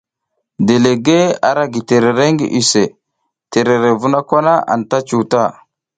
Delegue ara gi terere ngi iʼse, terere vuna kwa na anta cuta.